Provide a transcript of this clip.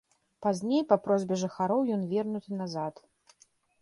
Пазней па просьбе жыхароў ён вернуты назад.